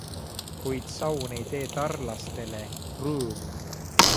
Kuid saun ei tee tarlastele rõõmu.